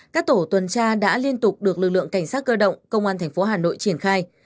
các tổ tuần tra đã liên tục được lực lượng cảnh sát cơ động công an thành phố hà nội triển khai